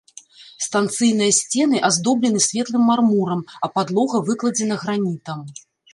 Станцыйныя сцены аздоблены светлым мармурам, а падлога выкладзена гранітам.